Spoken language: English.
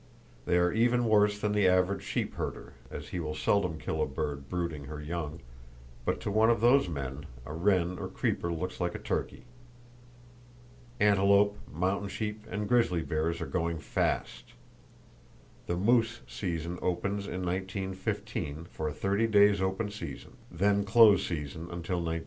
They are even worse than the average sheep herder, as he will seldom kill a bird brooding her young, but to one of those men, a wren or creeper looks like a turkey. Antelope, mountain sheep and grizzly bears are going, fast! The moose season opens in 1915, for a 30 days open season, then close season until 1920.